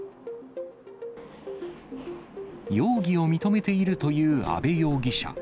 容疑を認めているという阿部容疑者。